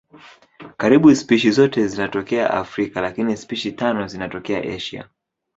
Karibu spishi zote zinatokea Afrika lakini spishi tano zinatokea Asia.